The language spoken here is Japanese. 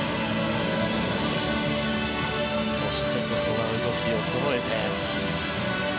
そしてここは動きをそろえて。